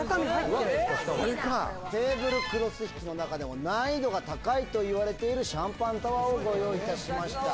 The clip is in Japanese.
テーブルクロス引きの中でも、難易度が高いといわれているシャンパンタワーをご用意いたしまし